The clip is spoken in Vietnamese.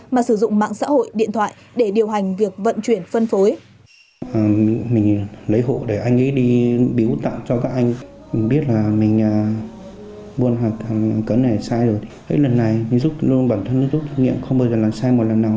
mà sử dụng mạng xã hội điện thoại để điều hành việc vận chuyển phân phối